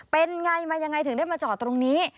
เป็นไงมายังไงถึงได้มาจอดตรงนี้